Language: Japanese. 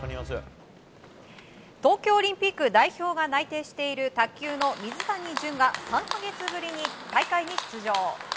東京オリンピック代表が内定している卓球の水谷隼が３か月ぶりに大会に出場。